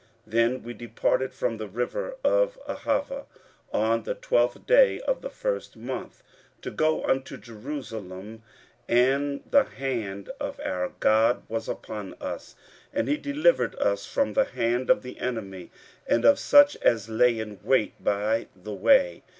15:008:031 Then we departed from the river of Ahava on the twelfth day of the first month, to go unto Jerusalem: and the hand of our God was upon us, and he delivered us from the hand of the enemy, and of such as lay in wait by the way.